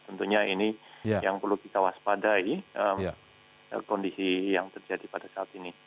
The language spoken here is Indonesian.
tentunya ini yang perlu kita waspadai kondisi yang terjadi pada saat ini